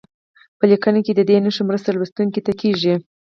په لیکنه کې د دې نښو مرسته لوستونکي ته کیږي.